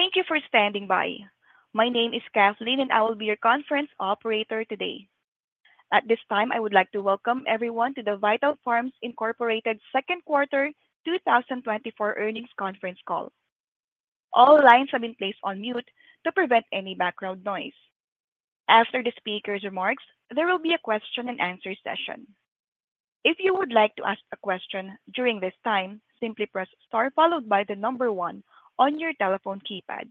Thank you for standing by. My name is Kathleen, and I will be your conference operator today. At this time, I would like to welcome everyone to the Vital Farms Incorporated second quarter 2024 earnings conference call. All lines have been placed on mute to prevent any background noise. After the speaker's remarks, there will be a question-and-answer session. If you would like to ask a question during this time, simply press star followed by the number one on your telephone keypad.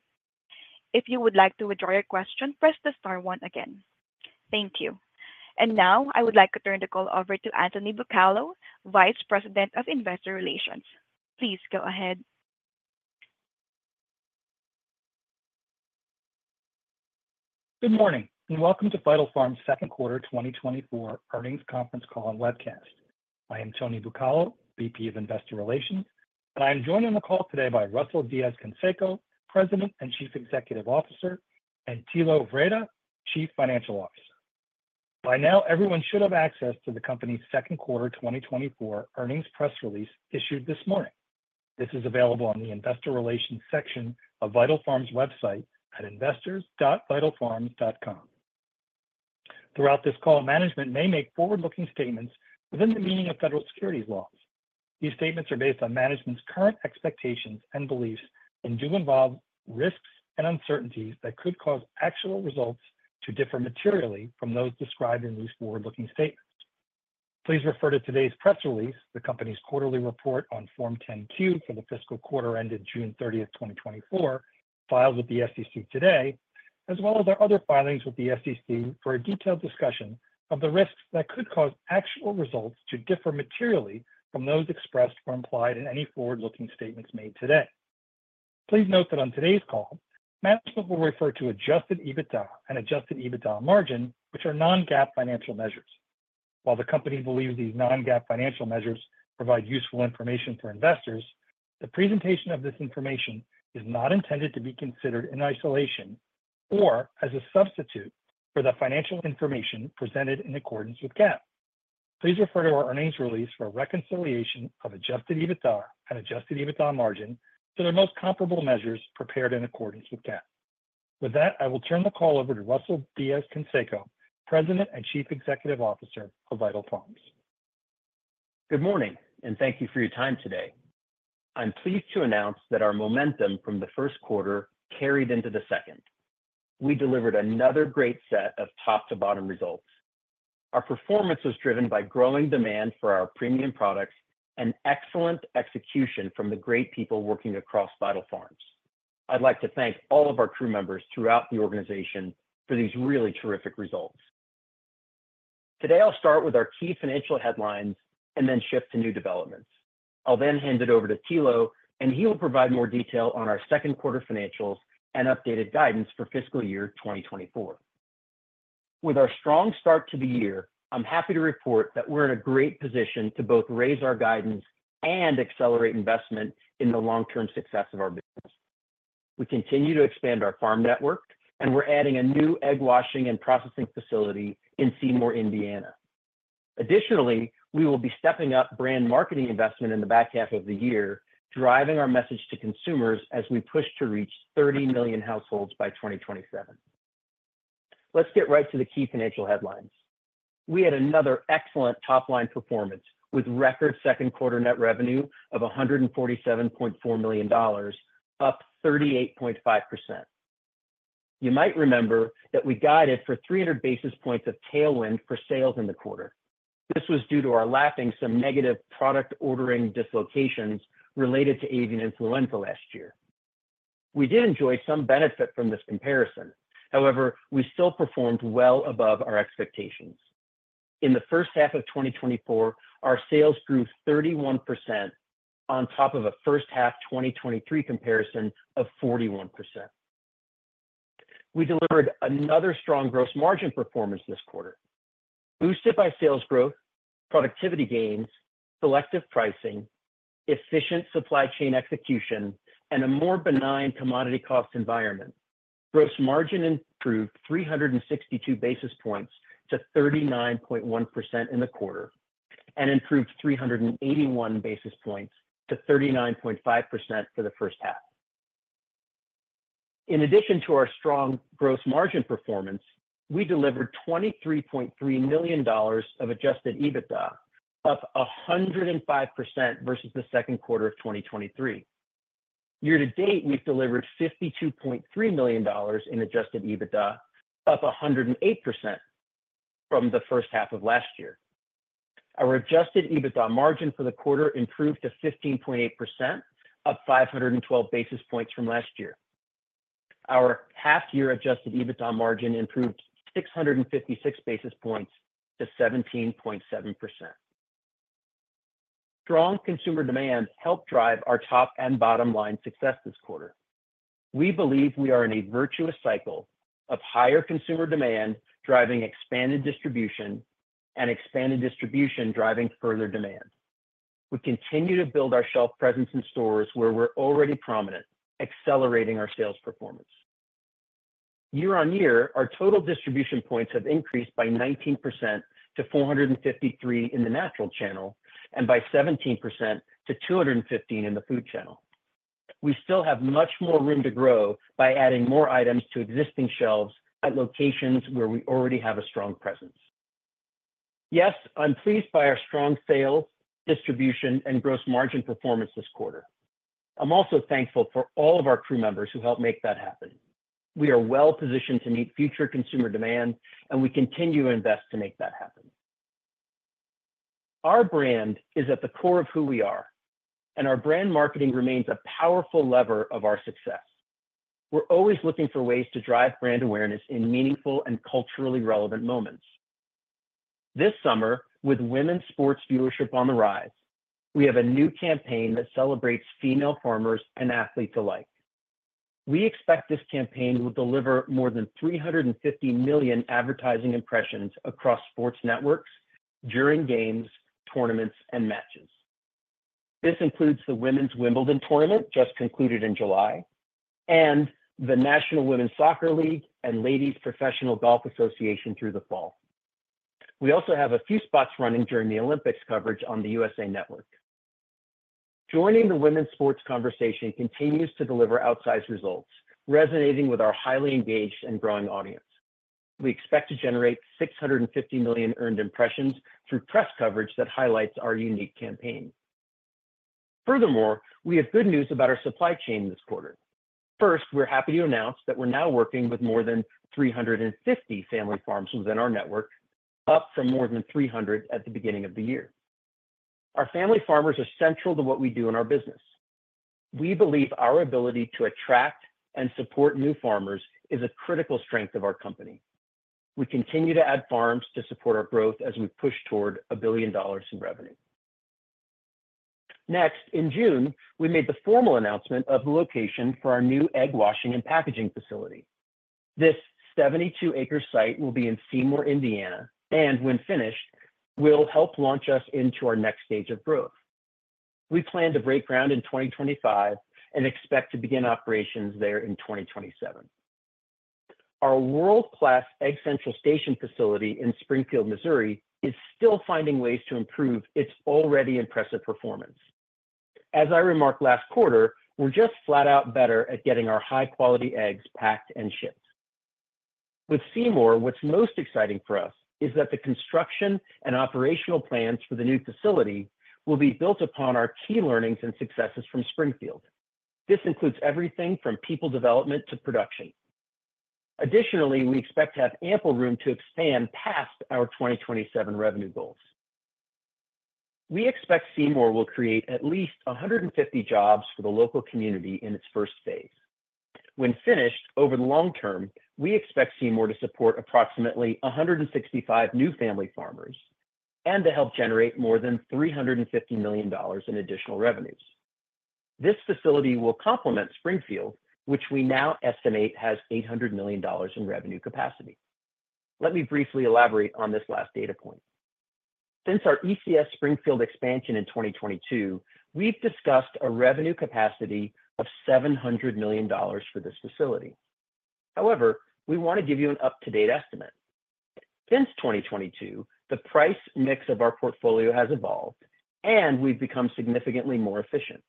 If you would like to withdraw your question, press the star one again. Thank you. Now I would like to turn the call over to Anthony Bucalo, Vice President of Investor Relations. Please go ahead. Good morning, and welcome to Vital Farms' second quarter 2024 earnings conference call and webcast. I am Tony Bucalo, VP of Investor Relations, and I am joined on the call today by Russell Diez-Canseco, President and Chief Executive Officer, and Thilo Wrede, Chief Financial Officer. By now, everyone should have access to the company's second quarter 2024 earnings press release issued this morning. This is available on the investor relations section of Vital Farms' website at investors.vitalfarms.com. Throughout this call, management may make forward-looking statements within the meaning of federal securities laws. These statements are based on management's current expectations and beliefs and do involve risks and uncertainties that could cause actual results to differ materially from those described in these forward-looking statements. Please refer to today's press release, the company's quarterly report on Form 10-Q for the fiscal quarter ended June 30, 2024, filed with the SEC today, as well as our other filings with the SEC for a detailed discussion of the risks that could cause actual results to differ materially from those expressed or implied in any forward-looking statements made today. Please note that on today's call, management will refer to Adjusted EBITDA and Adjusted EBITDA margin, which are non-GAAP financial measures. While the company believes these non-GAAP financial measures provide useful information for investors, the presentation of this information is not intended to be considered in isolation or as a substitute for the financial information presented in accordance with GAAP. Please refer to our earnings release for a reconciliation of Adjusted EBITDA and Adjusted EBITDA margin to their most comparable measures prepared in accordance with GAAP. With that, I will turn the call over to Russell Diez-Canseco, President and Chief Executive Officer of Vital Farms. Good morning, and thank you for your time today. I'm pleased to announce that our momentum from the first quarter carried into the second. We delivered another great set of top-to-bottom results. Our performance was driven by growing demand for our premium products and excellent execution from the great people working across Vital Farms. I'd like to thank all of our crew members throughout the organization for these really terrific results. Today, I'll start with our key financial headlines and then shift to new developments. I'll then hand it over to Thilo, and he will provide more detail on our second quarter financials and updated guidance for fiscal year 2024. With our strong start to the year, I'm happy to report that we're in a great position to both raise our guidance and accelerate investment in the long-term success of our business. We continue to expand our farm network, and we're adding a new egg washing and processing facility in Seymour, Indiana. Additionally, we will be stepping up brand marketing investment in the back half of the year, driving our message to consumers as we push to reach 30 million households by 2027. Let's get right to the key financial headlines. We had another excellent top-line performance, with record second quarter net revenue of $147.4 million, up 38.5%. You might remember that we guided for 300 basis points of tailwind for sales in the quarter. This was due to our lapping some negative product ordering dislocations related to avian influenza last year. We did enjoy some benefit from this comparison. However, we still performed well above our expectations. In the first half of 2024, our sales grew 31% on top of a first half 2023 comparison of 41%. We delivered another strong Gross Margin performance this quarter, boosted by sales growth, productivity gains, selective pricing, efficient supply chain execution, and a more benign commodity cost environment. Gross Margin improved 362 basis points to 39.1% in the quarter and improved 381 basis points to 39.5% for the first half. In addition to our strong Gross Margin performance, we delivered $23.3 million of Adjusted EBITDA, up 105% versus the second quarter of 2023. Year-to-date, we've delivered $52.3 million in Adjusted EBITDA, up 108% from the first half of last year. Our Adjusted EBITDA margin for the quarter improved to 15.8%, up 512 basis points from last year. Our half-year Adjusted EBITDA margin improved 656 basis points to 17.7%. Strong consumer demand helped drive our top and bottom line success this quarter. We believe we are in a virtuous cycle of higher consumer demand, driving expanded distribution, and expanded distribution, driving further demand. We continue to build our shelf presence in stores where we're already prominent, accelerating our sales performance. Year-on-year, our total distribution points have increased by 19% to 453 in the natural channel, and by 17% to 215 in the food channel. We still have much more room to grow by adding more items to existing shelves at locations where we already have a strong presence. Yes, I'm pleased by our strong sales, distribution, and gross margin performance this quarter. I'm also thankful for all of our crew members who helped make that happen. We are well positioned to meet future consumer demand, and we continue to invest to make that happen. Our brand is at the core of who we are, and our brand marketing remains a powerful lever of our success. We're always looking for ways to drive brand awareness in meaningful and culturally relevant moments. This summer, with women's sports viewership on the rise, we have a new campaign that celebrates female farmers and athletes alike. We expect this campaign will deliver more than 350 million advertising impressions across sports networks during games, tournaments, and matches. This includes the Women's Wimbledon tournament, just concluded in July, and the National Women's Soccer League and Ladies Professional Golf Association through the fall. We also have a few spots running during the Olympics coverage on the USA Network. Joining the women's sports conversation continues to deliver outsized results, resonating with our highly engaged and growing audience. We expect to generate 650 million earned impressions through press coverage that highlights our unique campaign. Furthermore, we have good news about our supply chain this quarter. First, we're happy to announce that we're now working with more than 350 family farms within our network, up from more than 300 at the beginning of the year. Our family farmers are central to what we do in our business. We believe our ability to attract and support new farmers is a critical strength of our company. We continue to add farms to support our growth as we push toward $1 billion in revenue. Next, in June, we made the formal announcement of the location for our new egg washing and packaging facility. This 72-acre site will be in Seymour, Indiana, and when finished, will help launch us into our next stage of growth. We plan to break ground in 2025 and expect to begin operations there in 2027. Our world-class Egg Central Station facility in Springfield, Missouri, is still finding ways to improve its already impressive performance. As I remarked last quarter, we're just flat out better at getting our high-quality eggs packed and shipped. With Seymour, what's most exciting for us is that the construction and operational plans for the new facility will be built upon our key learnings and successes from Springfield. This includes everything from people development to production. Additionally, we expect to have ample room to expand past our 2027 revenue goals. We expect Seymour will create at least 150 jobs for the local community in its first phase. When finished, over the long-term, we expect Seymour to support approximately 165 new family farmers and to help generate more than $350 million in additional revenues. This facility will complement Springfield, which we now estimate has $800 million in revenue capacity. Let me briefly elaborate on this last data point. Since our ECS Springfield expansion in 2022, we've discussed a revenue capacity of $700 million for this facility. However, we want to give you an up-to-date estimate. Since 2022, the price mix of our portfolio has evolved, and we've become significantly more efficient.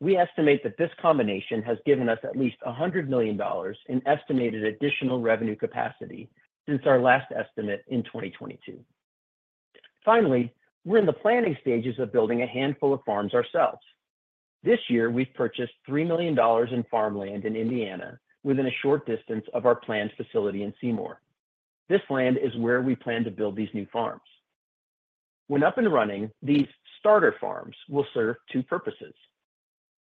We estimate that this combination has given us at least $100 million in estimated additional revenue capacity since our last estimate in 2022. Finally, we're in the planning stages of building a handful of farms ourselves. This year, we've purchased $3 million in farmland in Indiana within a short distance of our planned facility in Seymour. This land is where we plan to build these new farms. When up and running, these starter farms will serve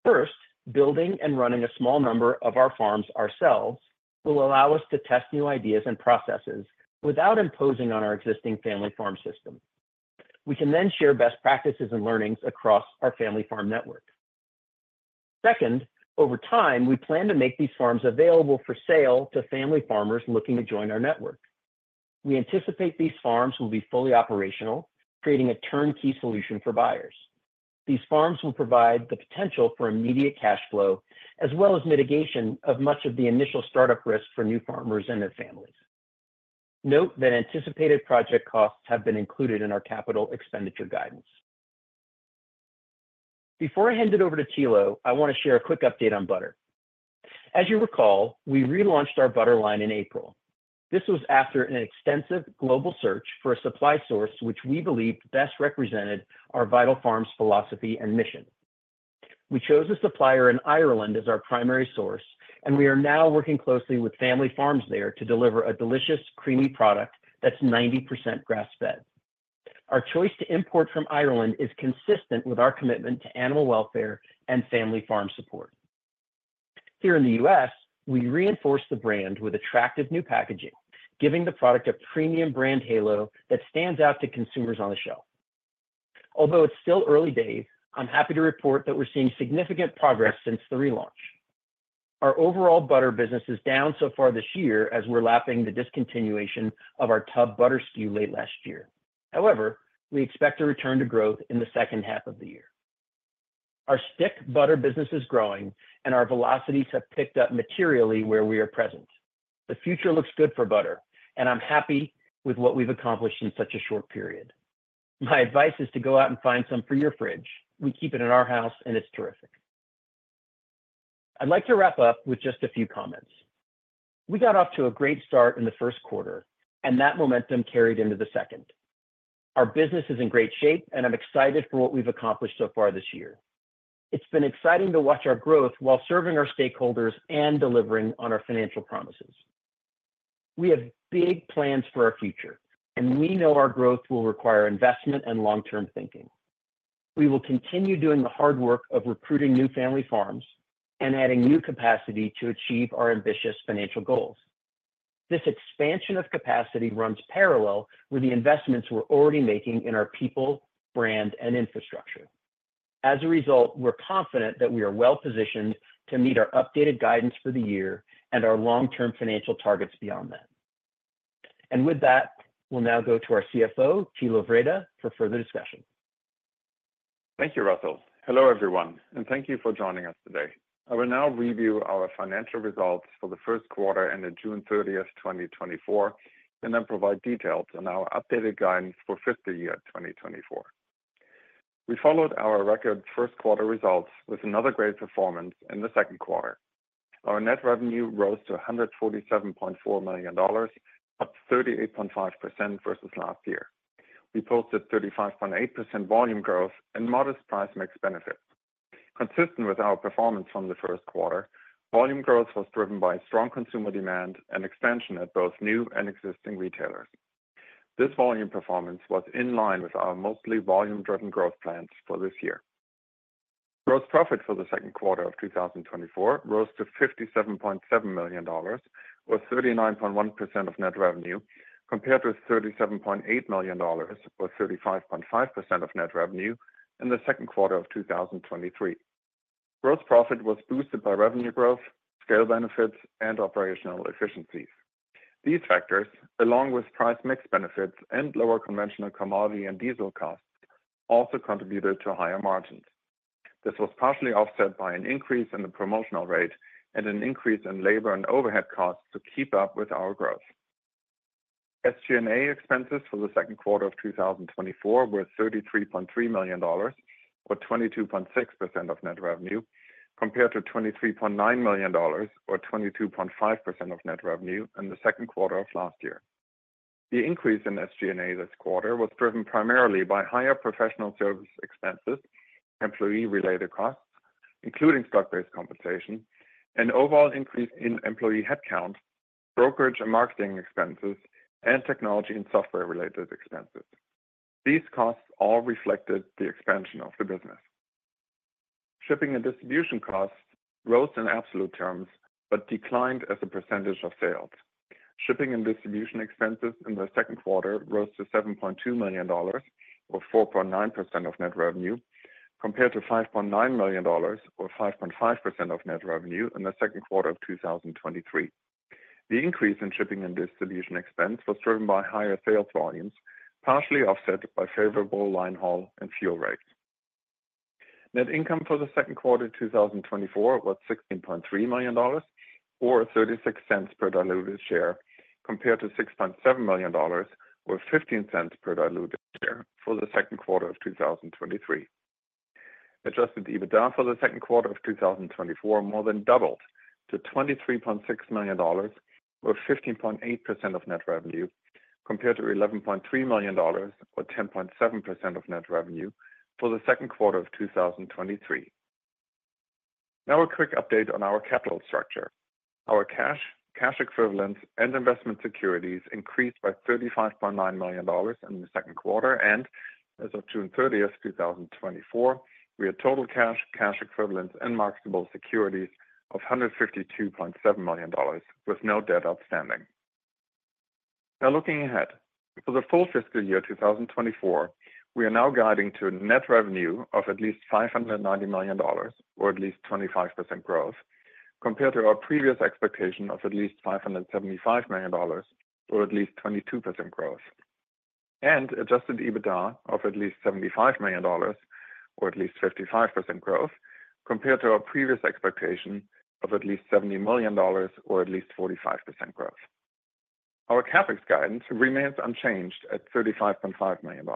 two purposes. First, building and running a small number of our farms ourselves will allow us to test new ideas and processes without imposing on our existing family farm system. We can then share best practices and learnings across our family farm network. Second, over time, we plan to make these farms available for sale to family farmers looking to join our network. We anticipate these farms will be fully operational, creating a turnkey solution for buyers. These farms will provide the potential for immediate cash flow, as well as mitigation of much of the initial startup risk for new farmers and their families. Note that anticipated project costs have been included in our capital expenditure guidance. Before I hand it over to Thilo, I want to share a quick update on butter. As you recall, we relaunched our butter line in April. This was after an extensive global search for a supply source, which we believed best represented our Vital Farms philosophy and mission. We chose a supplier in Ireland as our primary source, and we are now working closely with family farms there to deliver a delicious, creamy product that's 90% grass-fed. Our choice to import from Ireland is consistent with our commitment to animal welfare and family farm support. Here in the U.S., we reinforced the brand with attractive new packaging, giving the product a premium brand halo that stands out to consumers on the shelf. Although it's still early days, I'm happy to report that we're seeing significant progress since the relaunch. Our overall butter business is down so far this year as we're lapping the discontinuation of our tub butter SKU late last year. However, we expect to return to growth in the second half of the year. Our stick butter business is growing, and our velocities have picked up materially where we are present. The future looks good for butter, and I'm happy with what we've accomplished in such a short period. My advice is to go out and find some for your fridge. We keep it in our house, and it's terrific. I'd like to wrap up with just a few comments. We got off to a great start in the first quarter, and that momentum carried into the second. Our business is in great shape, and I'm excited for what we've accomplished so far this year. It's been exciting to watch our growth while serving our stakeholders and delivering on our financial promises. We have big plans for our future, and we know our growth will require investment and long-term thinking. We will continue doing the hard work of recruiting new family farms and adding new capacity to achieve our ambitious financial goals. This expansion of capacity runs parallel with the investments we're already making in our people, brand, and infrastructure. As a result, we're confident that we are well positioned to meet our updated guidance for the year and our long-term financial targets beyond that. With that, we'll now go to our CFO, Thilo Wrede, for further discussion. Thank you, Russell. Hello, everyone, and thank you for joining us today. I will now review our financial results for the first quarter and the June 30th, 2024, and then provide details on our updated guidance for fiscal year 2024. We followed our record first quarter results with another great performance in the second quarter. Our net revenue rose to $147.4 million, up 38.5% versus last year. We posted 35.8% volume growth and modest price mix benefit. Consistent with our performance from the first quarter, volume growth was driven by strong consumer demand and expansion at both new and existing retailers. This volume performance was in line with our mostly volume-driven growth plans for this year. Gross profit for the second quarter of 2024 rose to $57.7 million or 39.1% of net revenue, compared to $37.8 million or 35.5% of net revenue in the second quarter of 2023. Gross profit was boosted by revenue growth, scale benefits, and operational efficiencies. These factors, along with price mix benefits and lower conventional commodity and diesel costs, also contributed to higher margins. This was partially offset by an increase in the promotional rate and an increase in labor and overhead costs to keep up with our growth. SG&A expenses for the second quarter of 2024 were $33.3 million, or 22.6% of net revenue, compared to $23.9 million, or 22.5% of net revenue in the second quarter of last year. The increase in SG&A this quarter was driven primarily by higher professional service expenses, employee-related costs, including stock-based compensation, an overall increase in employee headcount, brokerage and marketing expenses, and technology and software-related expenses. These costs all reflected the expansion of the business. Shipping and distribution costs rose in absolute terms but declined as a percentage of sales. Shipping and distribution expenses in the second quarter rose to $7.2 million, or 4.9% of net revenue, compared to $5.9 million, or 5.5% of net revenue in the second quarter of 2023. The increase in shipping and distribution expense was driven by higher sales volumes, partially offset by favorable line haul and fuel rates. Net income for the second quarter of 2024 was $16.3 million, or $0.36 per diluted share, compared to $6.7 million, or $0.15 per diluted share for the second quarter of 2023. Adjusted EBITDA for the second quarter of 2024 more than doubled to $23.6 million, or 15.8% of net revenue, compared to $11.3 million, or 10.7% of net revenue for the second quarter of 2023. Now, a quick update on our capital structure. Our cash, cash equivalents, and investment securities increased by $35.9 million in the second quarter, and as of June 30th, 2024, we had total cash, cash equivalents, and marketable securities of $152.7 million, with no debt outstanding. Now looking ahead. For the full fiscal year 2024, we are now guiding to a net revenue of at least $590 million, or at least 25% growth, compared to our previous expectation of at least $575 million, or at least 22% growth. And Adjusted EBITDA of at least $75 million, or at least 55% growth, compared to our previous expectation of at least $70 million or at least 45% growth. Our CapEx guidance remains unchanged at $35.5 million.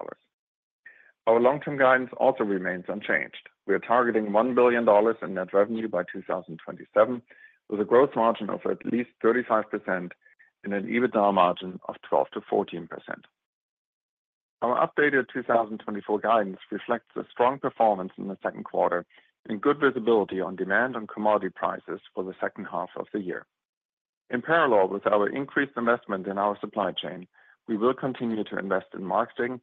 Our long-term guidance also remains unchanged. We are targeting $1 billion in net revenue by 2027, with a gross margin of at least 35% and an EBITDA margin of 12%-14%. Our updated 2024 guidance reflects a strong performance in the second quarter and good visibility on demand and commodity prices for the second half of the year. In parallel with our increased investment in our supply chain, we will continue to invest in marketing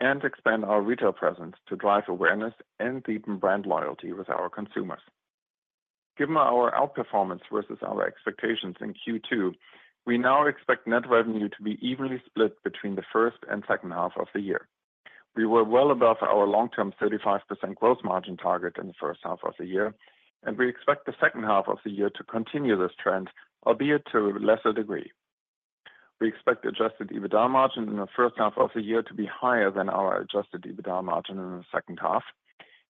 and expand our retail presence to drive awareness and deepen brand loyalty with our consumers. Given our outperformance versus our expectations in Q2, we now expect net revenue to be evenly split between the first and second half of the year. We were well above our long-term 35% gross margin target in the first half of the year, and we expect the second half of the year to continue this trend, albeit to a lesser degree. We expect Adjusted EBITDA margin in the first half of the year to be higher than our Adjusted EBITDA margin in the second half.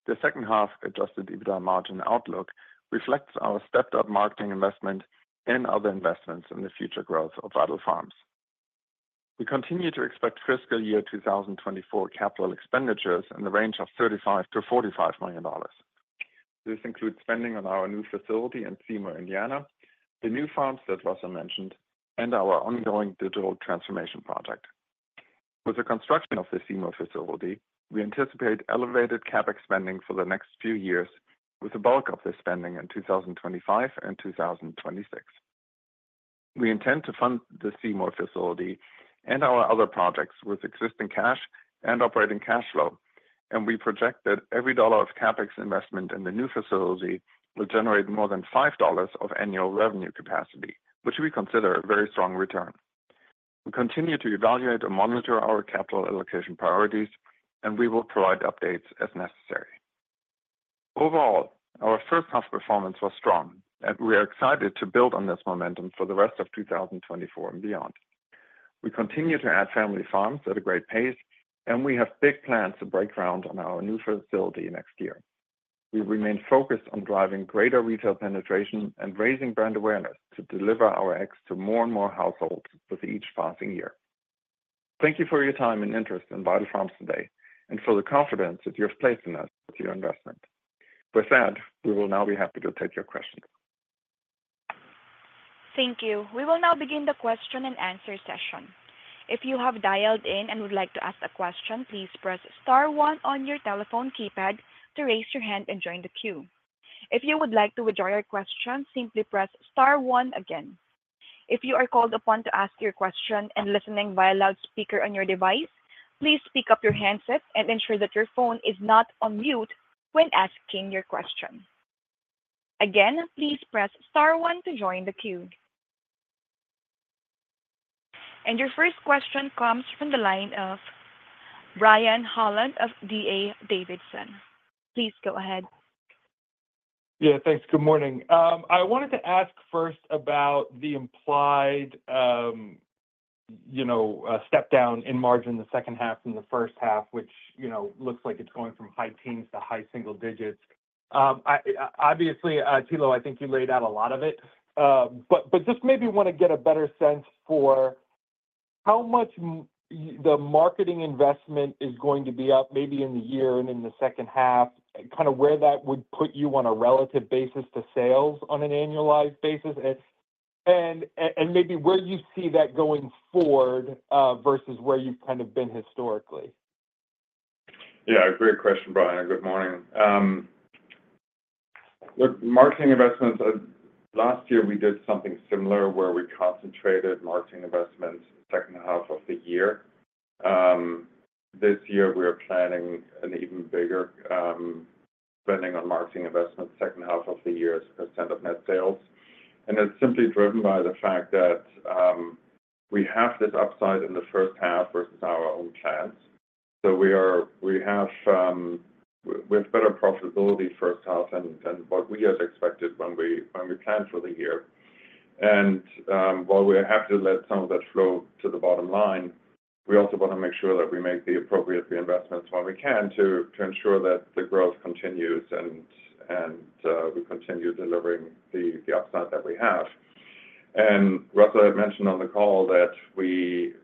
The second half Adjusted EBITDA margin outlook reflects our stepped-up marketing investment and other investments in the future growth of Vital Farms. We continue to expect fiscal year 2024 capital expenditures in the range of $35 million-$45 million. This includes spending on our new facility in Seymour, Indiana, the new farms that Russell mentioned, and our ongoing digital transformation project. With the construction of the Seymour facility, we anticipate elevated CapEx spending for the next few years, with the bulk of the spending in 2025 and 2026. We intend to fund the Seymour facility and our other projects with existing cash and operating cash flow, and we project that every dollar of CapEx investment in the new facility will generate more than $5 of annual revenue capacity, which we consider a very strong return. We continue to evaluate and monitor our capital allocation priorities, and we will provide updates as necessary. Overall, our first half performance was strong, and we are excited to build on this momentum for the rest of 2024 and beyond. We continue to add family farms at a great pace, and we have big plans to break ground on our new facility next year. We remain focused on driving greater retail penetration and raising brand awareness to deliver our eggs to more and more households with each passing year. Thank you for your time and interest in Vital Farms today, and for the confidence that you have placed in us with your investment. With that, we will now be happy to take your questions. Thank you. We will now begin the question-and-answer session. If you have dialed in and would like to ask a question, please press star one on your telephone keypad to raise your hand and join the queue. If you would like to withdraw your question, simply press star one again. If you are called upon to ask your question and listening via loudspeaker on your device, please pick up your handset and ensure that your phone is not on mute when asking your question. Again, please press star one to join the queue. And your first question comes from the line of Brian Holland of D.A. Davidson. Please go ahead. Yeah, thanks. Good morning. I wanted to ask first about the implied, you know, step down in margin in the second half from the first half, which, you know, looks like it's going from high teens to high single digits. I, obviously, Thilo, I think you laid out a lot of it, but, but just maybe want to get a better sense for how much the marketing investment is going to be up maybe in the year and in the second half, and kind of where that would put you on a relative basis to sales on an annualized basis, and, and, and maybe where you see that going forward, versus where you've kind of been historically. Yeah, great question, Brian, and good morning. Look, marketing investments, last year we did something similar where we concentrated marketing investments second half of the year. This year we are planning an even bigger, spending on marketing investments second half of the year as a percent of net sales. And it's simply driven by the fact that, we have this upside in the first half versus our own plans. So we are-- we have, with better profitability first half than, than what we had expected when we, when we planned for the year. And, while we're happy to let some of that flow to the bottom line, we also want to make sure that we make the appropriate investments where we can to, to ensure that the growth continues and, and, we continue delivering the, the upside that we have. Russell had mentioned on the call that we've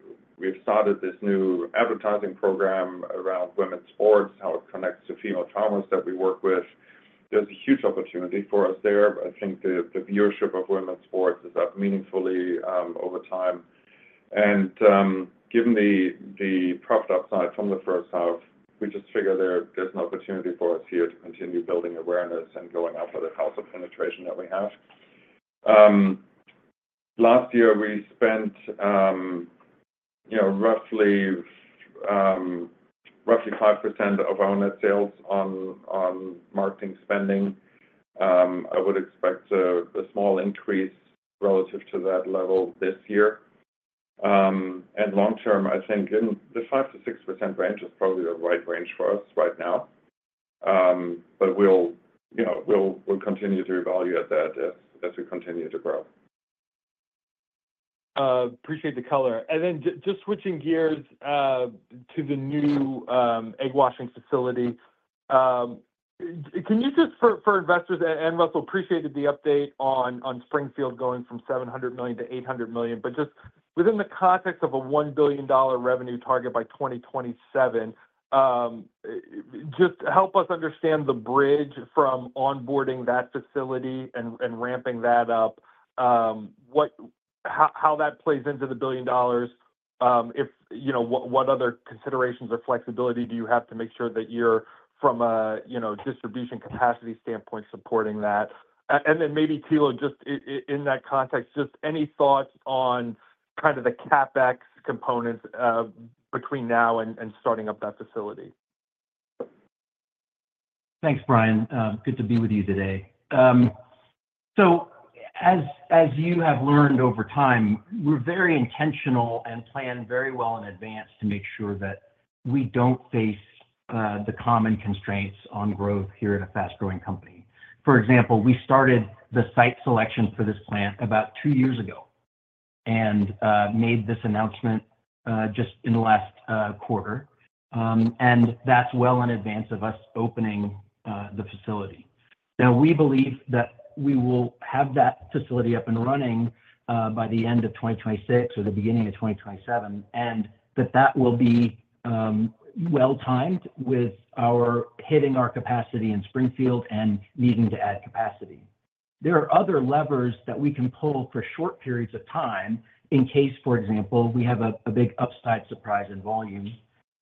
started this new advertising program around women's sports, how it connects to female farmers that we work with. There's a huge opportunity for us there. I think the viewership of women's sports is up meaningfully over time. Given the profit upside from the first half, we just figure there's an opportunity for us here to continue building awareness and going after the household penetration that we have. Last year, we spent you know roughly 5% of our net sales on marketing spending. I would expect a small increase relative to that level this year. And long-term, I think in the 5%-6% range is probably the right range for us right now. But we'll, you know, continue to reevaluate that as we continue to grow. Appreciate the color. And then just switching gears to the new egg washing facility. Can you just for investors, and Russell, appreciate the update on Springfield going from 700 million to 800 million, but just within the context of a $1 billion revenue target by 2027, just help us understand the bridge from onboarding that facility and ramping that up. What... How that plays into the billion dollars, if, you know, what other considerations or flexibility do you have to make sure that you're, from a, you know, distribution capacity standpoint, supporting that? And then maybe, Thilo, just in that context, just any thoughts on kind of the CapEx components between now and starting up that facility? Thanks, Brian. Good to be with you today. So as you have learned over time, we're very intentional and plan very well in advance to make sure that we don't face the common constraints on growth here at a fast-growing company. For example, we started the site selection for this plant about two years ago, and made this announcement just in the last quarter. And that's well in advance of us opening the facility. Now, we believe that we will have that facility up and running by the end of 2026 or the beginning of 2027, and that that will be well-timed with our hitting our capacity in Springfield and needing to add capacity. There are other levers that we can pull for short periods of time in case, for example, we have a big upside surprise in volume.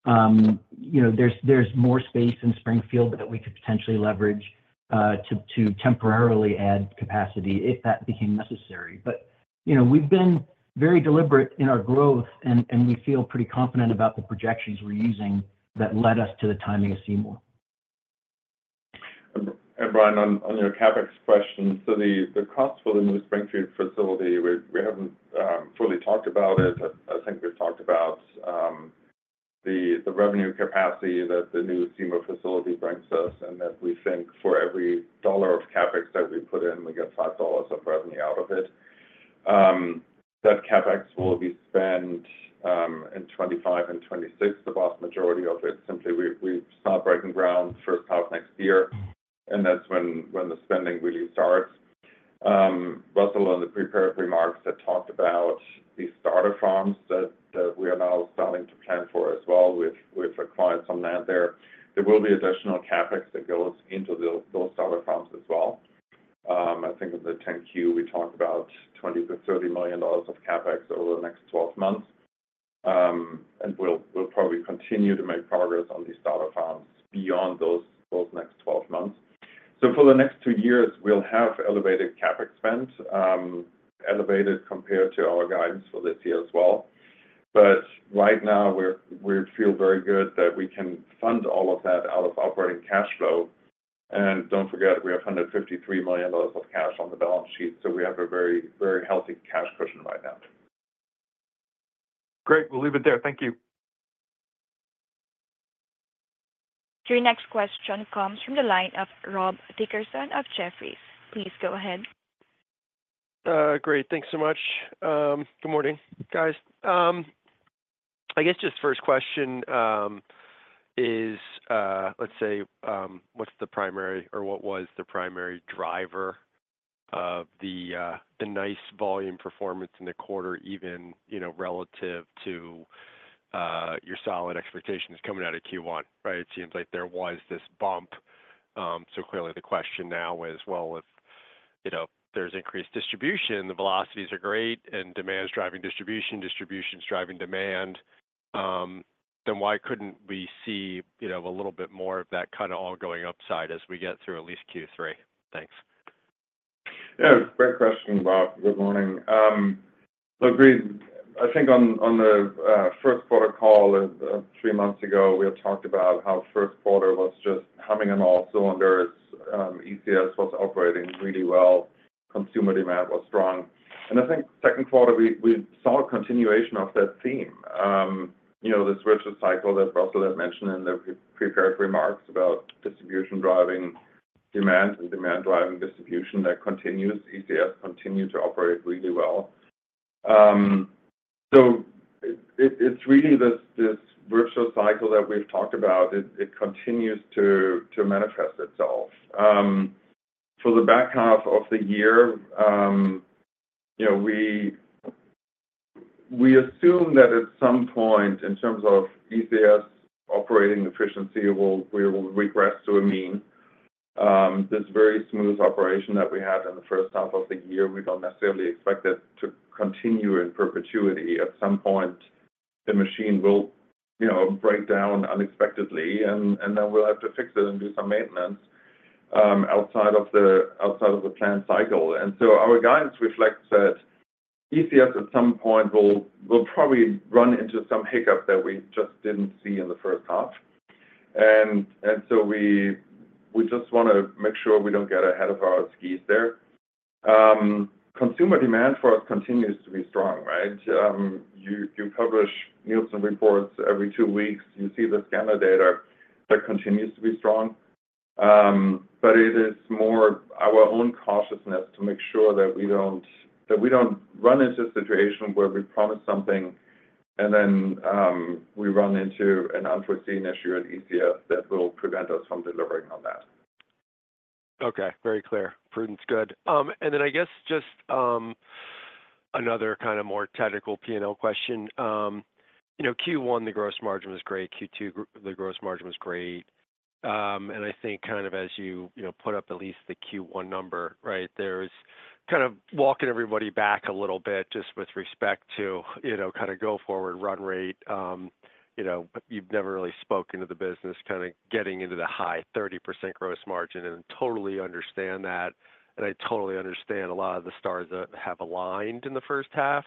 You know, there's more space in Springfield that we could potentially leverage to temporarily add capacity if that became necessary. But, you know, we've been very deliberate in our growth, and we feel pretty confident about the projections we're using that led us to the timing of Seymour. Brian, on your CapEx question, so the cost for the new Springfield facility, we haven't fully talked about it. I think we've talked about the revenue capacity that the new Seymour facility brings us, and that we think for every dollar of CapEx that we put in, we get $5 of revenue out of it. That CapEx will be spent in 2025 and 2026. The vast majority of it, simply we start breaking ground first half next year, and that's when the spending really starts. Russell, on the prepared remarks, had talked about the starter farms that we are now starting to plan for as well, with acquired some land there. There will be additional CapEx that goes into those starter farms as well. I think in the 10-Q, we talked about $20 million-$30 million of CapEx over the next 12 months. And we'll probably continue to make progress on these starter farms beyond those next 12 months. So for the next two years, we'll have elevated CapEx spend, elevated compared to our guidance for this year as well. But right now, we feel very good that we can fund all of that out of operating cash flow. And don't forget, we have $153 million of cash on the balance sheet, so we have a very, very healthy cash cushion right now. Great. We'll leave it there. Thank you. Your next question comes from the line of Rob Dickerson of Jefferies. Please go ahead. Great. Thanks so much. Good morning, guys. I guess just first question, is, let's say, what's the primary or what was the primary driver of the, the nice volume performance in the quarter, even, you know, relative to, your solid expectations coming out of Q1, right? It seems like there was this bump. So clearly, the question now is, well, if, you know, there's increased distribution, the velocities are great, and demand is driving distribution, distribution is driving demand, then why couldn't we see, you know, a little bit more of that kind of all going upside as we get through at least Q3? Thanks. Yeah, great question, Rob. Good morning. Look, we - I think on the first quarter call three months ago, we had talked about how first quarter was just humming on all cylinders. ECS was operating really well, consumer demand was strong. And I think second quarter, we saw a continuation of that theme. You know, this virtuous cycle that Russell had mentioned in the pre-prepared remarks about distribution driving demand and demand driving distribution, that continues. ECS continue to operate really well. So it is really this virtuous cycle that we've talked about. It continues to manifest itself. For the back half of the year, you know, we assume that at some point, in terms of ECS operating efficiency, will - we will regress to a mean. This very smooth operation that we had in the first half of the year, we don't necessarily expect it to continue in perpetuity. At some point, the machine will, you know, break down unexpectedly, and then we'll have to fix it and do some maintenance outside of the planned cycle. And so our guidance reflects that ECS, at some point, will probably run into some hiccup that we just didn't see in the first half. And so we just wanna make sure we don't get ahead of our skis there. Consumer demand for us continues to be strong, right? You publish Nielsen reports every two weeks. You see the scanner data that continues to be strong. But it is more our own cautiousness to make sure that we don't run into a situation where we promise something and then we run into an unforeseen issue at ECS that will prevent us from delivering on that. Okay, very clear. Prudence, good. And then I guess just, another kind of more technical P&L question. You know, Q1, the gross margin was great. Q2, the gross margin was great. And I think kind of as you, you know, put up at least the Q1 number, right, there's kind of walking everybody back a little bit just with respect to, you know, kind of go forward, run rate. You know, you've never really spoken to the business, kind of getting into the high 30% gross margin, and totally understand that, and I totally understand a lot of the stars that have aligned in the first half.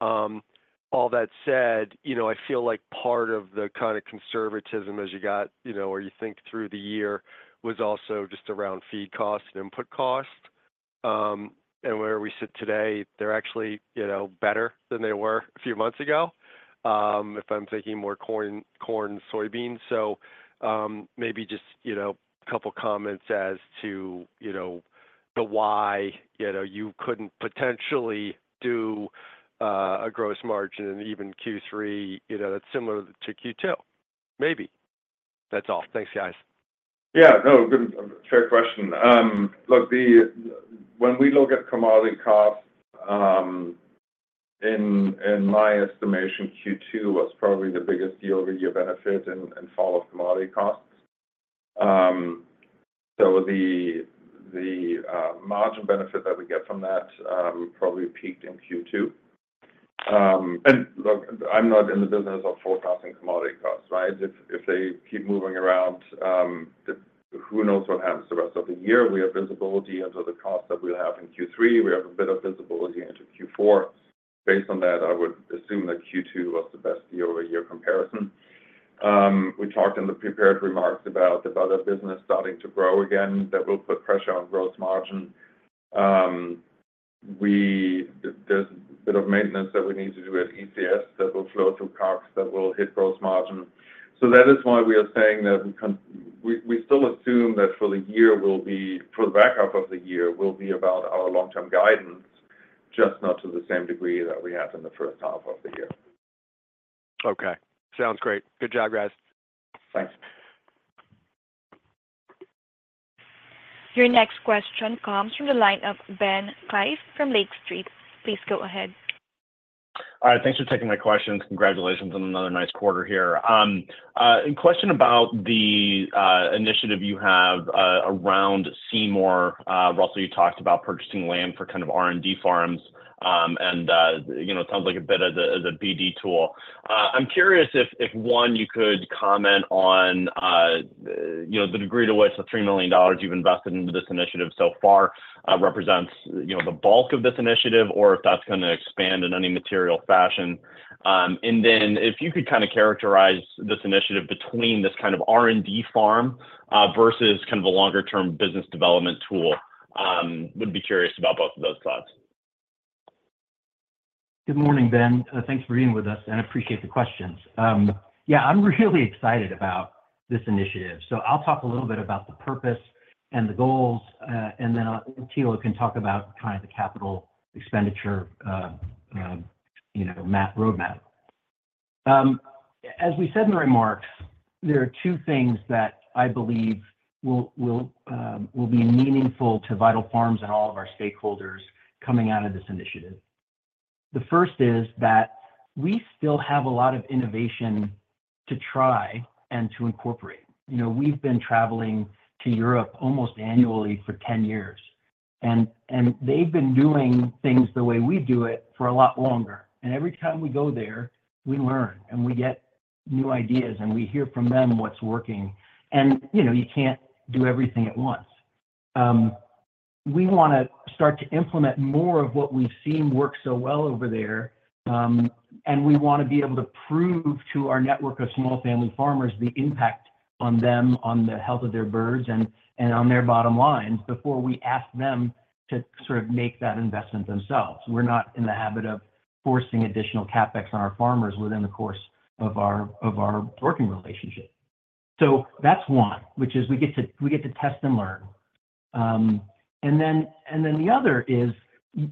All that said, you know, I feel like part of the kind of conservatism as you got, you know, or you think through the year was also just around feed cost and input cost. And where we sit today, they're actually, you know, better than they were a few months ago. If I'm thinking more corn, soybeans. So, maybe just, you know, a couple of comments as to, you know, the why, you know, you couldn't potentially do a gross margin in even Q3, you know, that's similar to Q2. Maybe. That's all. Thanks, guys. Yeah, no, good, fair question. Look, when we look at commodity costs, in my estimation, Q2 was probably the biggest year-over-year benefit in the fall of commodity costs. So the margin benefit that we get from that probably peaked in Q2. And look, I'm not in the business of forecasting commodity costs, right? If they keep moving around, who knows what happens the rest of the year. We have visibility into the costs that we'll have in Q3. We have a bit of visibility into Q4. Based on that, I would assume that Q2 was the best year-over-year comparison. We talked in the prepared remarks about the other business starting to grow again, that will put pressure on gross margin. There's a bit of maintenance that we need to do at ECS that will flow through COGS, that will hit gross margin. So that is why we are saying that we still assume that for the year will be, for the back half of the year, will be about our long-term guidance, just not to the same degree that we had in the first half of the year. Okay, sounds great. Good job, guys. Thanks. Your next question comes from the line of Ben Klieve from Lake Street. Please go ahead. All right, thanks for taking my question. Congratulations on another nice quarter here. A question about the initiative you have around Seymour. Russell, you talked about purchasing land for kind of R&D farms, and you know, it sounds like a bit as a, as a BD tool. I'm curious if one, you could comment on you know, the degree to which the $3 million you've invested into this initiative so far represents you know, the bulk of this initiative or if that's gonna expand in any material fashion. And then if you could kinda characterize this initiative between this kind of R&D farm versus kind of a longer-term business development tool, would be curious about both of those thoughts. Good morning, Ben. Thanks for being with us, and I appreciate the questions. Yeah, I'm really excited about this initiative. So I'll talk a little bit about the purpose and the goals, and then Thilo can talk about kind of the capital expenditure, you know, map, roadmap. As we said in the remarks, there are two things that I believe will be meaningful to Vital Farms and all of our stakeholders coming out of this initiative. The first is that we still have a lot of innovation to try and to incorporate. You know, we've been traveling to Europe almost annually for 10 years, and they've been doing things the way we do it for a lot longer. And every time we go there, we learn, and we get new ideas, and we hear from them what's working. You know, you can't do everything at once. We wanna start to implement more of what we've seen work so well over there, and we wanna be able to prove to our network of small family farmers the impact on them, on the health of their birds and on their bottom lines before we ask them to sort of make that investment themselves. We're not in the habit of forcing additional CapEx on our farmers within the course of our working relationship. So that's one, which is we get to test and learn. And then the other is,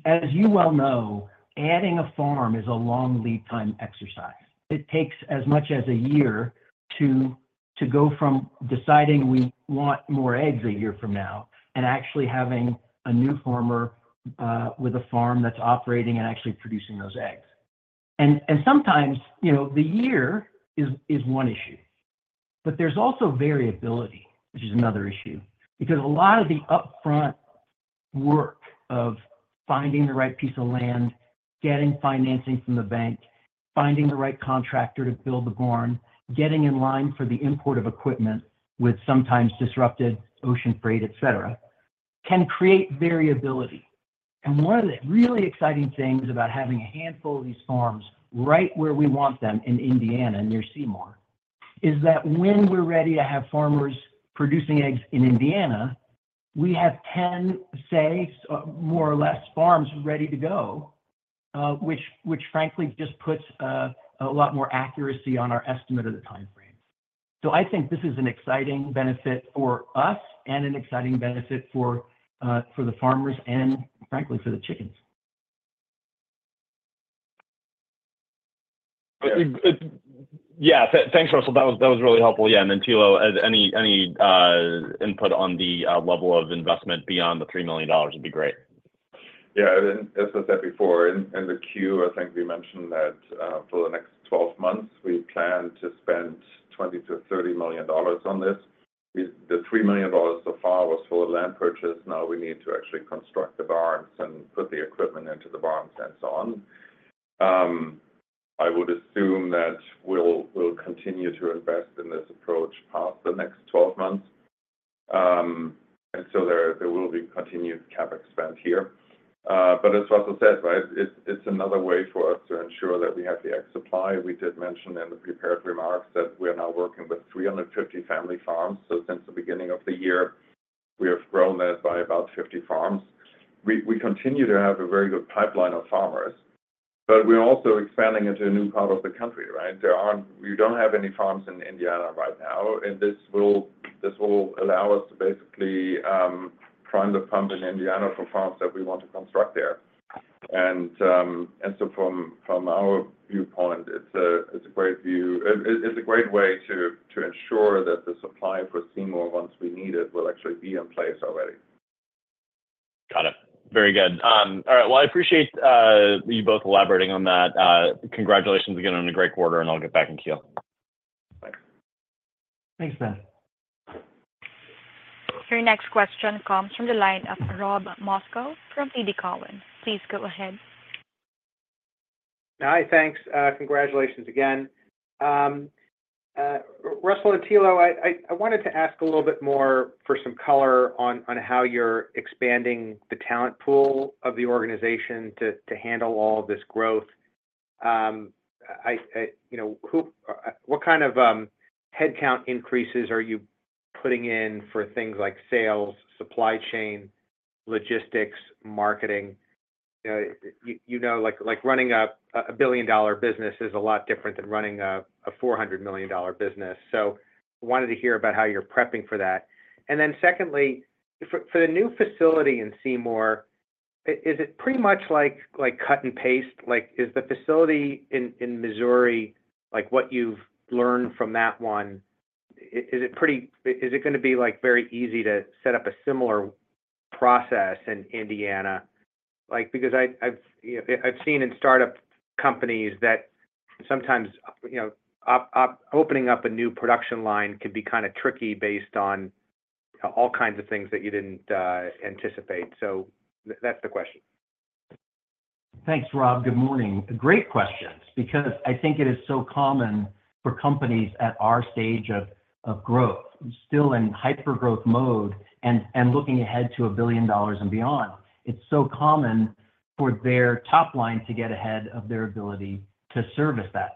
as you well know, adding a farm is a long lead time exercise. It takes as much as a year to go from deciding we want more eggs a year from now and actually having a new farmer with a farm that's operating and actually producing those eggs. And sometimes, you know, the year is one issue, but there's also variability, which is another issue, because a lot of the upfront work of finding the right piece of land, getting financing from the bank, finding the right contractor to build the barn, getting in line for the import of equipment with sometimes disrupted ocean freight, et cetera, can create variability. One of the really exciting things about having a handful of these farms right where we want them in Indiana, near Seymour, is that when we're ready to have farmers producing eggs in Indiana, we have 10, say, more or less, farms ready to go, which frankly just puts a lot more accuracy on our estimate of the time frame. So I think this is an exciting benefit for us and an exciting benefit for the farmers and frankly, for the chickens. Yeah. Thanks, Russell. That was really helpful. Yeah, and then, Thilo, any input on the level of investment beyond the $3 million would be great. Yeah, as I said before, in the queue, I think we mentioned that for the next 12 months, we plan to spend $20 million-$30 million on this. The $3 million so far was for land purchase. Now we need to actually construct the barns and put the equipment into the barns and so on. I would assume that we'll continue to invest in this approach past the next 12 months. And so there will be continued CapEx spend here, but as Russell said, right, it's another way for us to ensure that we have the egg supply. We did mention in the prepared remarks that we are now working with 350 family farms. So since the beginning of the year, we have grown that by about 50 farms. We continue to have a very good pipeline of farmers, but we're also expanding into a new part of the country, right? There aren't, we don't have any farms in Indiana right now, and this will allow us to basically prime the pump in Indiana for farms that we want to construct there. So from our viewpoint, it's a great move. It's a great way to ensure that the supply for Seymour, once we need it, will actually be in place already. Got it. Very good. All right, well, I appreciate you both elaborating on that. Congratulations again on a great quarter, and I'll get back in queue. Bye. Thanks, Ben. Your next question comes from the line of Rob Moskow from TD Cowen. Please go ahead. Hi, thanks. Congratulations again. Russell and Thilo, I wanted to ask a little bit more for some color on how you're expanding the talent pool of the organization to handle all of this growth. You know, what kind of headcount increases are you putting in for things like sales, supply chain, logistics, marketing? You know, you know, like running a billion-dollar business is a lot different than running a $400 million business. So I wanted to hear about how you're prepping for that. And then secondly, for the new facility in Seymour, is it pretty much like cut and paste? Like, is the facility in Missouri like what you've learned from that one, is it pretty? Is it gonna be, like, very easy to set up a similar process in Indiana? Like, because I, I've, you know, I've seen in startup companies that sometimes, you know, opening up a new production line can be kinda tricky based on all kinds of things that you didn't anticipate. So that's the question. Thanks, Rob. Good morning. Great questions because I think it is so common for companies at our stage of growth, still in hyper-growth mode and looking ahead to $1 billion and beyond. It's so common for their top line to get ahead of their ability to service that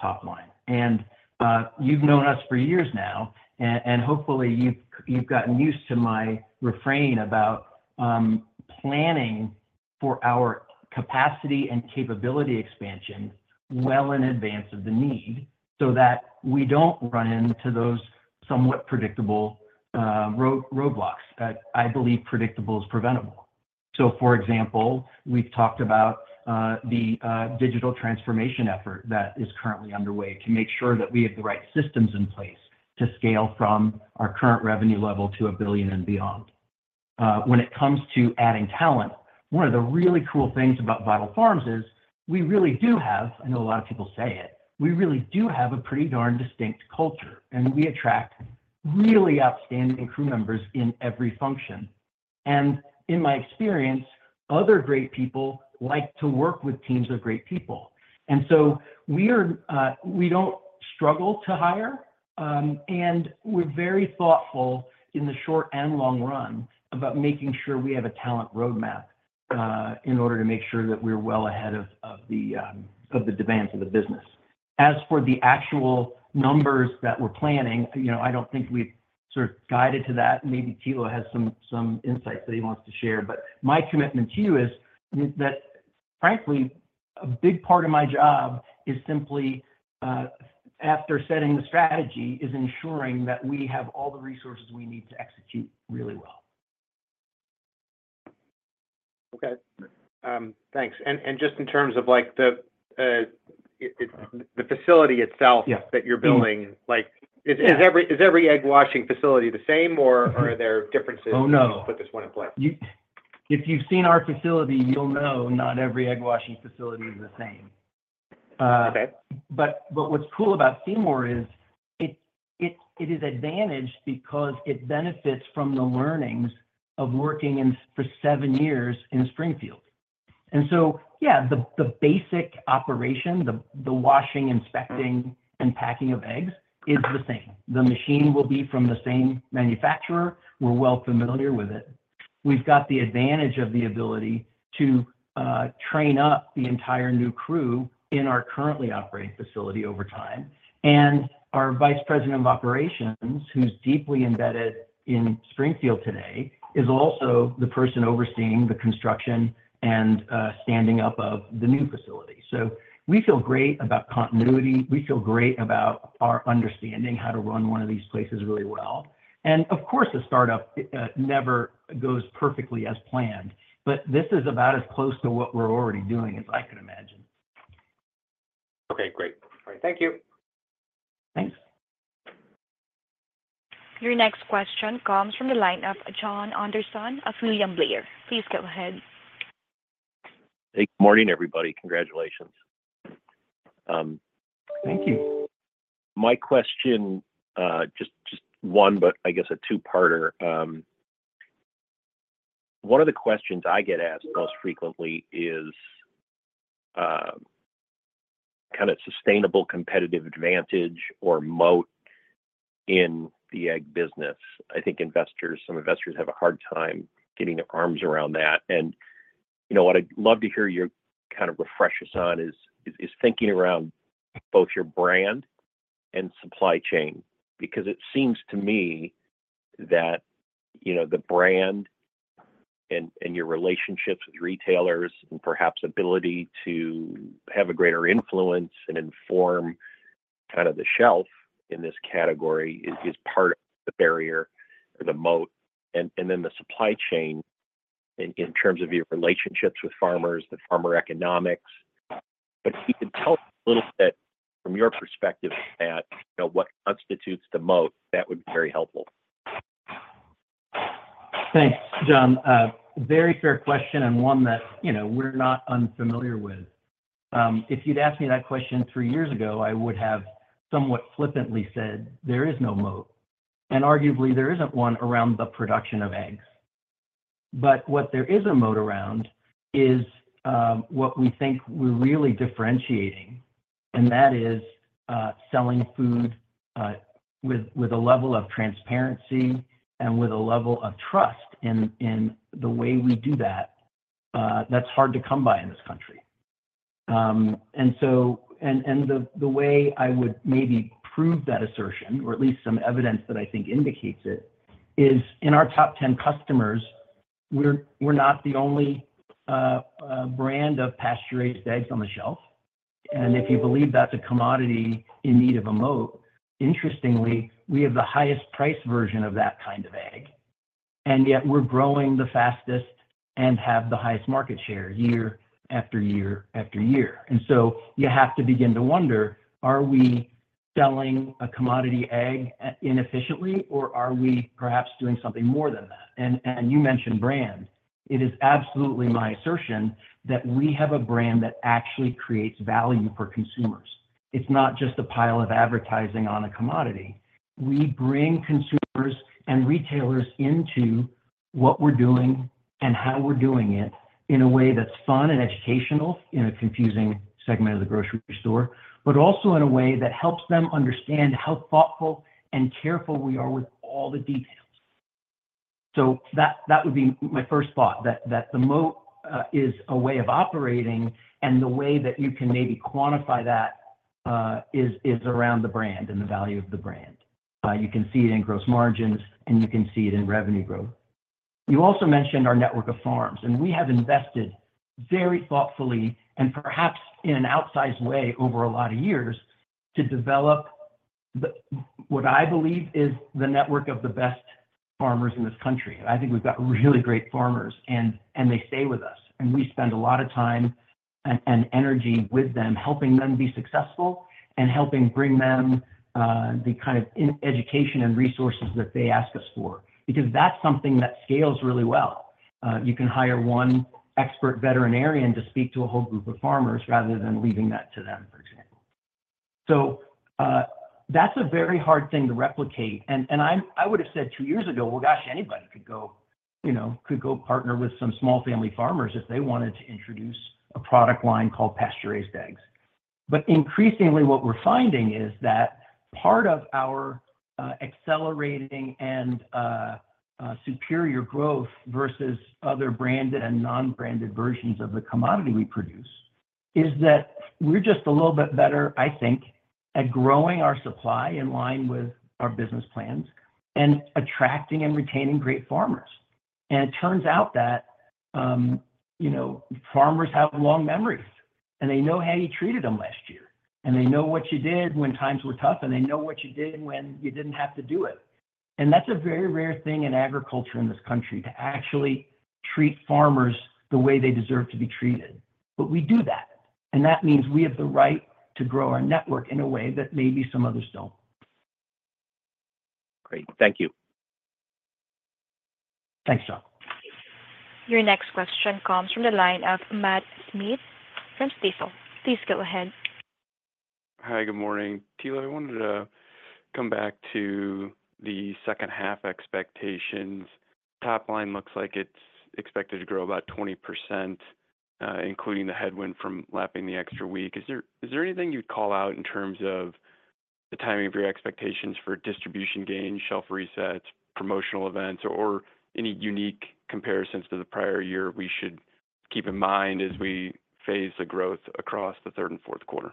top line. And, you've known us for years now, and hopefully you've gotten used to my refrain about planning for our capacity and capability expansion well in advance of the need, so that we don't run into those somewhat predictable roadblocks. I believe predictable is preventable. So, for example, we've talked about the digital transformation effort that is currently underway to make sure that we have the right systems in place to scale from our current revenue level to $1 billion and beyond. When it comes to adding talent, one of the really cool things about Vital Farms is we really do have, I know a lot of people say it, we really do have a pretty darn distinct culture, and we attract really outstanding crew members in every function. In my experience, other great people like to work with teams of great people. So we are, we don't struggle to hire, and we're very thoughtful in the short and long run about making sure we have a talent roadmap, in order to make sure that we're well ahead of the demands of the business. As for the actual numbers that we're planning, you know, I don't think we've sort of guided to that. Maybe Thilo has some insights that he wants to share. But my commitment to you is that frankly, a big part of my job is simply, after setting the strategy, is ensuring that we have all the resources we need to execute really well. Okay. Thanks. And just in terms of, like, the, it, the facility itself that you're building, like, is every egg washing facility the same, or are there differences as you put this one in place? If you've seen our facility, you'll know not every egg washing facility is the same. But what's cool about Seymour is it is advantaged because it benefits from the learnings of working for seven years in Springfield. And so, yeah, the basic operation, the washing, inspecting, and packing of eggs is the same. The machine will be from the same manufacturer. We're well familiar with it. We've got the advantage of the ability to train up the entire new crew in our currently operating facility over time. And our Vice President of Operations, who's deeply embedded in Springfield today, is also the person overseeing the construction and standing up of the new facility. So we feel great about continuity. We feel great about our understanding how to run one of these places really well. Of course, a startup never goes perfectly as planned, but this is about as close to what we're already doing as I can imagine. Okay, great. All right. Thank you. Thanks. Your next question comes from the line of Jon Anderson of William Blair. Please go ahead. Good morning, everybody. Congratulations. Thank you. My question, just, just one, but I guess a two-parter. One of the questions I get asked most frequently is kind of sustainable competitive advantage or moat in the egg business. I think investors, some investors have a hard time getting their arms around that. And, you know, what I'd love to hear your kind of refresh us on is thinking around both your brand and supply chain. Because it seems to me that, you know, the brand and your relationships with retailers and perhaps ability to have a greater influence and inform kind of the shelf in this category is part of the barrier or the moat, and then the supply chain in terms of your relationships with farmers, the farmer economics. If you can tell us a little bit from your perspective at, you know, what constitutes the moat, that would be very helpful. Thanks, Jon. Very fair question, and one that, you know, we're not unfamiliar with. If you'd asked me that question three years ago, I would have somewhat flippantly said, there is no moat, and arguably there isn't one around the production of eggs. But what there is a moat around is what we think we're really differentiating, and that is selling food with, with a level of transparency and with a level of trust in, in the way we do that that's hard to come by in this country. And so, the way I would maybe prove that assertion, or at least some evidence that I think indicates it, is in our top 10 customers, we're not the only brand of pasture-raised eggs on the shelf. And if you believe that's a commodity in need of a moat, interestingly, we have the highest price version of that kind of egg, and yet we're growing the fastest and have the highest market share year after year after year. And so you have to begin to wonder, are we selling a commodity egg, inefficiently, or are we perhaps doing something more than that? And, and you mentioned brand. It is absolutely my assertion that we have a brand that actually creates value for consumers. It's not just a pile of advertising on a commodity. We bring consumers and retailers into what we're doing and how we're doing it in a way that's fun and educational in a confusing segment of the grocery store, but also in a way that helps them understand how thoughtful and careful we are with all the details. So that would be my first thought, that the moat is a way of operating, and the way that you can maybe quantify that is around the brand and the value of the brand. You can see it in gross margins, and you can see it in revenue growth. You also mentioned our network of farms, and we have invested very thoughtfully, and perhaps in an outsized way over a lot of years, to develop what I believe is the network of the best farmers in this country. I think we've got really great farmers, and they stay with us, and we spend a lot of time and energy with them, helping them be successful and helping bring them the kind of education and resources that they ask us for, because that's something that scales really well. You can hire one expert veterinarian to speak to a whole group of farmers rather than leaving that to them, for example. So, that's a very hard thing to replicate. And I would have said two years ago, "Well, gosh, anybody could go, you know, could go partner with some small family farmers if they wanted to introduce a product line called pasture-raised eggs." But increasingly, what we're finding is that part of our accelerating and superior growth versus other branded and non-branded versions of the commodity we produce is that we're just a little bit better, I think, at growing our supply in line with our business plans and attracting and retaining great farmers. It turns out that, you know, farmers have long memories, and they know how you treated them last year, and they know what you did when times were tough, and they know what you did when you didn't have to do it. And that's a very rare thing in agriculture in this country, to actually treat farmers the way they deserve to be treated. But we do that, and that means we have the right to grow our network in a way that maybe some others don't. Great. Thank you. Thanks, Jon. Your next question comes from the line of Matt Smith from Stifel. Please go ahead. Hi, good morning. Thilo, I wanted to come back to the second half expectations. Top line looks like it's expected to grow about 20%, including the headwind from lapping the extra week. Is there, is there anything you'd call out in terms of the timing of your expectations for distribution gains, shelf resets, promotional events, or any unique comparisons to the prior year we should keep in mind as we phase the growth across the third and fourth quarter?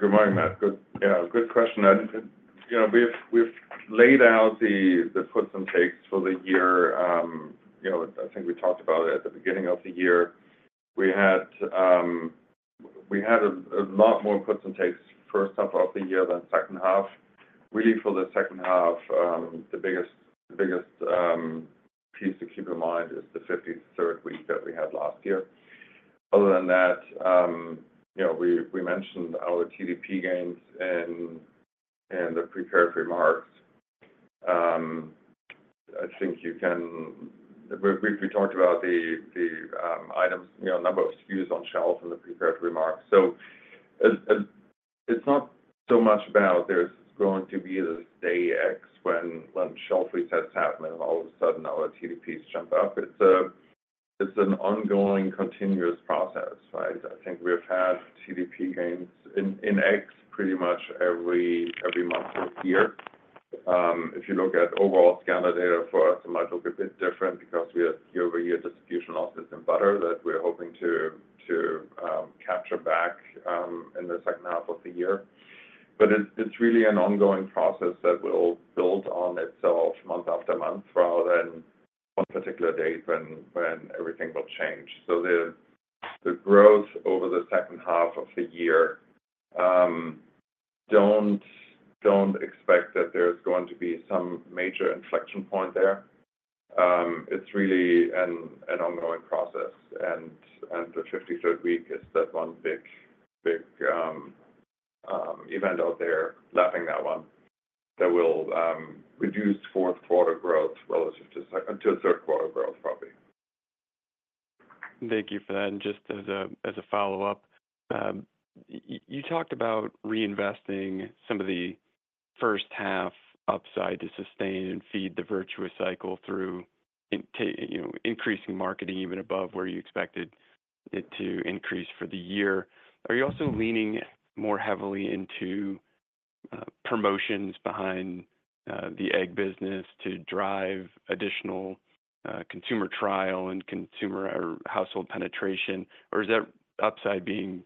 Good morning, Matt. Good, yeah, good question. And, you know, we've laid out the puts and takes for the year. You know, I think we talked about it at the beginning of the year. We had a lot more puts and takes first half of the year than second half. Really, for the second half, the biggest piece to keep in mind is the 53rd week that we had last year. Other than that, you know, we mentioned our TDP gains and the prepared remarks. I think you can. We briefly talked about the items, you know, number of SKUs on shelf in the prepared remarks. So... It's not so much about there's going to be this day X when shelf reset has happened, and all of a sudden our TDPs jump up. It's an ongoing, continuous process, right? I think we've had TDP gains in eggs pretty much every month this year. If you look at overall scanner data for us, it might look a bit different because we have year-over-year distribution losses in butter that we're hoping to capture back in the second half of the year. But it's really an ongoing process that will build on itself month-after-month, rather than one particular date when everything will change. So the growth over the second half of the year, don't expect that there's going to be some major inflection point there. It's really an ongoing process, and the 53rd week is that one big event out there, like that one, that will reduce fourth quarter growth relative to second to third quarter growth, probably. Thank you for that. And just as a follow-up, you talked about reinvesting some of the first half upside to sustain and feed the virtuous cycle through, you know, increasing marketing even above where you expected it to increase for the year. Are you also leaning more heavily into promotions behind the egg business to drive additional consumer trial and consumer or household penetration? Or is that upside being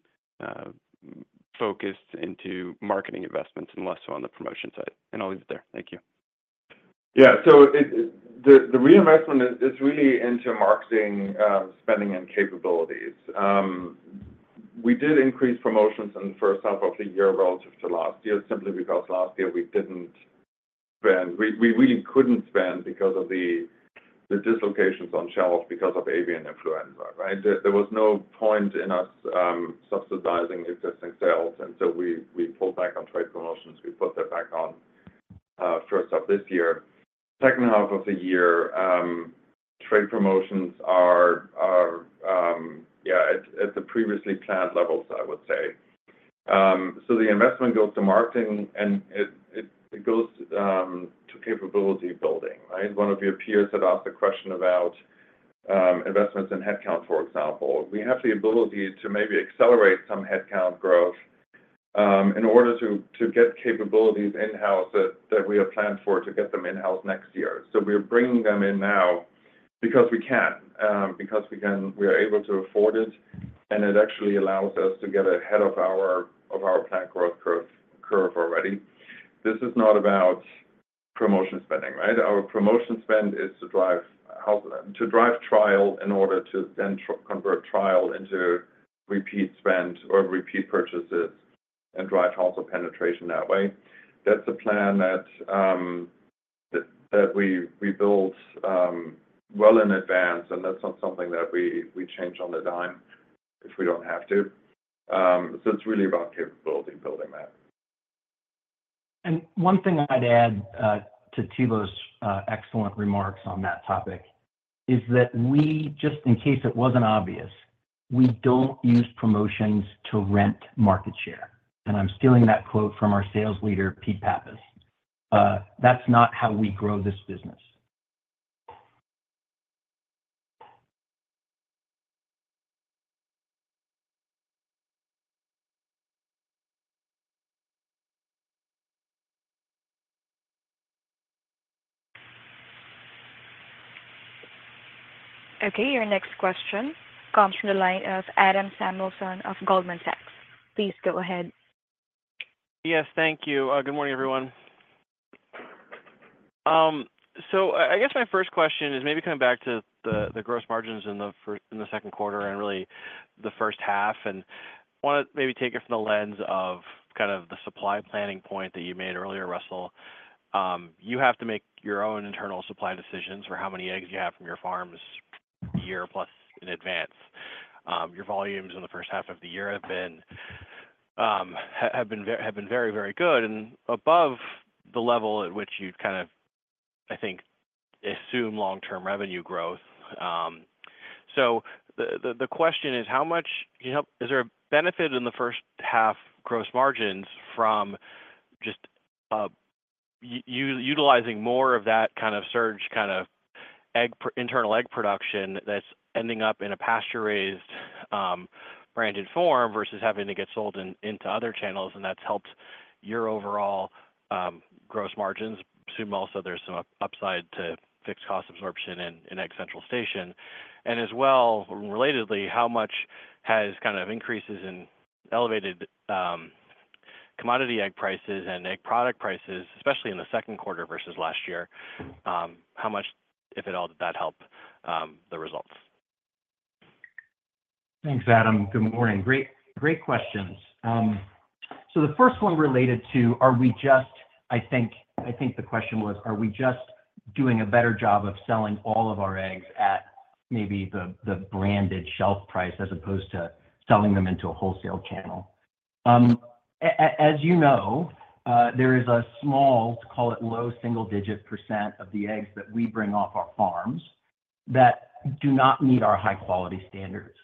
focused into marketing investments and less so on the promotion side? And I'll leave it there. Thank you. Yeah. So it, the reinvestment is really into marketing, spending and capabilities. We did increase promotions in the first half of the year relative to last year, simply because last year we didn't spend. We really couldn't spend because of the dislocations on shelf, because of avian influenza, right? There was no point in us, subsidizing existing sales, and so we pulled back on trade promotions. We put that back on, first half this year. Second half of the year, trade promotions are, yeah, at the previously planned levels, I would say. So the investment goes to marketing, and it goes to capability building, right? One of your peers had asked a question about, investments in headcount, for example. We have the ability to maybe accelerate some headcount growth in order to get capabilities in-house that we have planned for, to get them in-house next year. So we're bringing them in now because we can because we are able to afford it, and it actually allows us to get ahead of our planned growth curve already. This is not about promotion spending, right? Our promotion spend is to drive trial in order to then convert trial into repeat spend or repeat purchases and drive household penetration that way. That's a plan that we build well in advance, and that's not something that we change on a dime if we don't have to. So it's really about capability building that. One thing I'd add to Thilo's excellent remarks on that topic is that we, just in case it wasn't obvious, we don't use promotions to rent market share. I'm stealing that quote from our sales leader, Pete Pappas. That's not how we grow this business. Okay, your next question comes from the line of Adam Samuelson of Goldman Sachs. Please go ahead. Yes, thank you. Good morning, everyone. So I guess my first question is maybe coming back to the gross margins in the first in the second quarter and really the first half, and wanna maybe take it from the lens of kind of the supply planning point that you made earlier, Russell. You have to make your own internal supply decisions for how many eggs you have from your farms a year plus in advance. Your volumes in the first half of the year have been very, very good and above the level at which you'd kind of, I think, assume long-term revenue growth. So the question is: Is there a benefit in the first half gross margins from just utilizing more of that kind of surge, kind of egg, internal egg production that's ending up in a pasture-raised branded form versus having to get sold into other channels, and that's helped your overall gross margins? Assume also there's some upside to fixed cost absorption in Egg Central Station. And as well, relatedly, how much has kind of increases in elevated commodity egg prices and egg product prices, especially in the second quarter versus last year, how much, if at all, did that help the results? Thanks, Adam. Good morning. Great, great questions. So the first one related to are we just—I think the question was, are we just doing a better job of selling all of our eggs at maybe the branded shelf price as opposed to selling them into a wholesale channel? As you know, there is a small, call it low single-digit percent of the eggs that we bring off our farms that do not meet our high quality standards.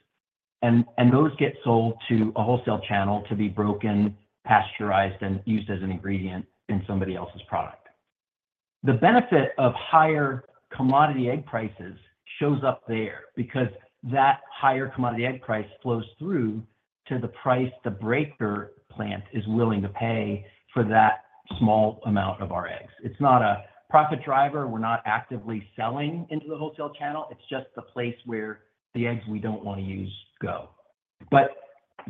And those get sold to a wholesale channel to be broken, pasteurized, and used as an ingredient in somebody else's product. The benefit of higher commodity egg prices shows up there, because that higher commodity egg price flows through to the price the breaker plant is willing to pay for that small amount of our eggs. It's not a profit driver. We're not actively selling into the wholesale channel, it's just the place where the eggs we don't wanna use go. But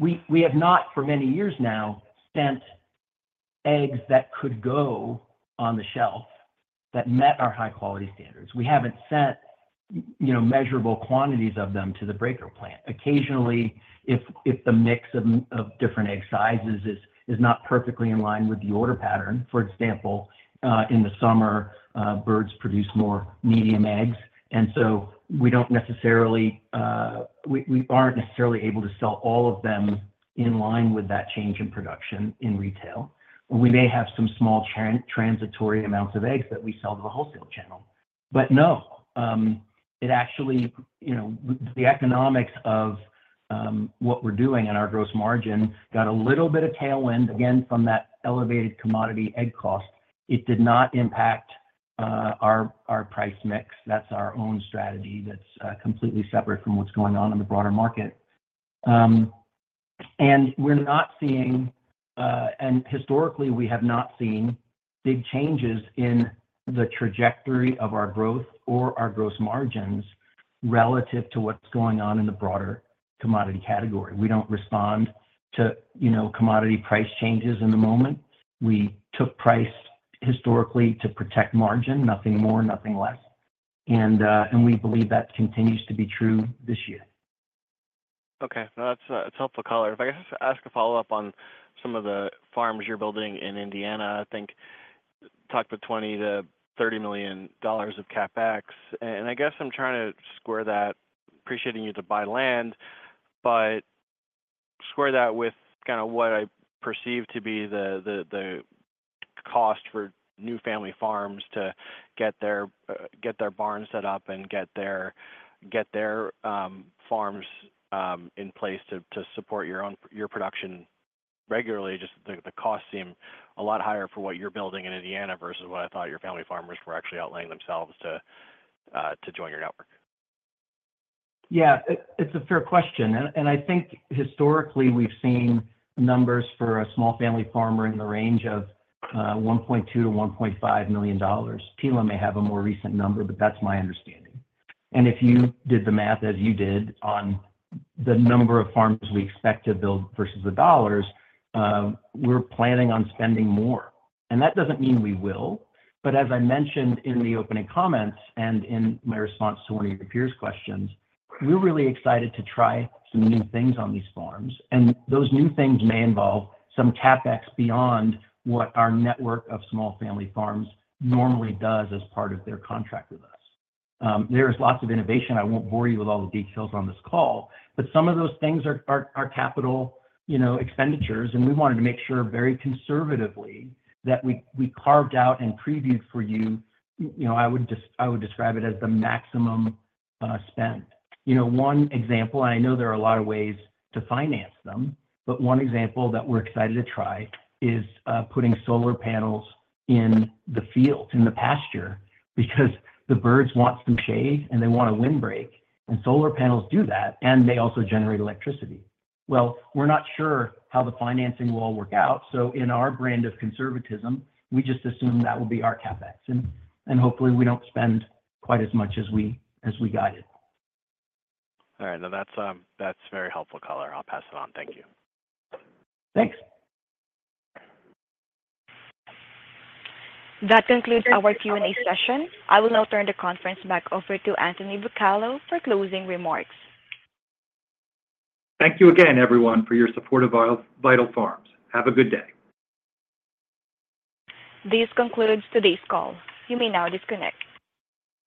we have not, for many years now, sent eggs that could go on the shelf that met our high quality standards. We haven't sent, you know, measurable quantities of them to the breaker plant. Occasionally, if the mix of different egg sizes is not perfectly in line with the order pattern, for example, in the summer, birds produce more medium eggs, and so we don't necessarily, we aren't necessarily able to sell all of them in line with that change in production in retail. We may have some small transitory amounts of eggs that we sell to the wholesale channel. But no, it actually, you know, the economics of what we're doing and our gross margin got a little bit of tailwind, again, from that elevated commodity egg cost. It did not impact our price mix. That's our own strategy that's completely separate from what's going on in the broader market. And we're not seeing, and historically, we have not seen big changes in the trajectory of our growth or our gross margins relative to what's going on in the broader commodity category. We don't respond to, you know, commodity price changes in the moment. We took price historically to protect margin, nothing more, nothing less. And we believe that continues to be true this year. Okay. No, that's, it's helpful color. If I could just ask a follow-up on some of the farms you're building in Indiana. I think, talked about $20 million-$30 million of CapEx, and I guess I'm trying to square that, appreciating you to buy land, but square that with kinda what I perceive to be the cost for new family farms to get their barns set up and get their farms in place to support your own, your production regularly. Just the costs seem a lot higher for what you're building in Indiana versus what I thought your family farmers were actually outlaying themselves to join your network. Yeah, it's a fair question, and I think historically, we've seen numbers for a small family farmer in the range of $1.2 million-$1.5 million. Thilo may have a more recent number, but that's my understanding. And if you did the math, as you did, on the number of farms we expect to build versus the dollars, we're planning on spending more. And that doesn't mean we will, but as I mentioned in the opening comments and in my response to one of your peer's questions, we're really excited to try some new things on these farms, and those new things may involve some CapEx beyond what our network of small family farms normally does as part of their contract with us. There is lots of innovation. I won't bore you with all the details on this call, but some of those things are capital, you know, expenditures, and we wanted to make sure, very conservatively, that we carved out and previewed for you... You know, I would describe it as the maximum spend. You know, one example, and I know there are a lot of ways to finance them, but one example that we're excited to try is putting solar panels in the fields, in the pasture, because the birds want some shade, and they want a windbreak, and solar panels do that, and they also generate electricity. Well, we're not sure how the financing will all work out, so in our brand of conservatism, we just assume that will be our CapEx, and hopefully, we don't spend quite as much as we guided. All right. No, that's, that's very helpful color. I'll pass it on. Thank you. Thanks. That concludes our Q&A session. I will now turn the conference back over to Anthony Bucalo for closing remarks. Thank you again, everyone, for your support of Vital Farms. Have a good day. This concludes today's call. You may now disconnect.